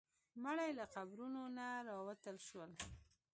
مړي له قبرونو نه راوتل شول.